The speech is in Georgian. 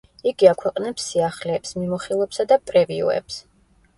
იგი აქვეყნებს სიახლეებს, მიმოხილვებსა და პრევიუებს.